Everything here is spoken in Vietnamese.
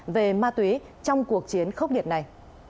về ma túy trong cuộc chiến khốc liệt này